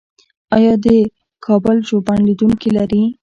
آیا د کابل ژوبڼ لیدونکي لري؟